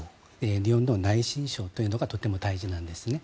日本の内申書というのがとても大事なんですね。